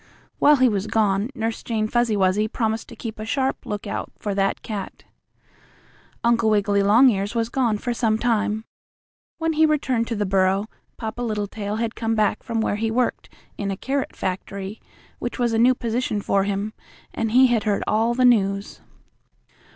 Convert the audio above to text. While he was gone, Nurse Jane Fuzzy Wuzzy promised to keep a sharp lookout for that cat. Uncle Wiggily Longears was gone for some time. When he returned to the burrow Papa Littletail had come back from where he worked in a carrot factory, which was a new position for him, and he had heard all the news.